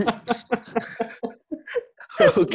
gak ada yang tinggi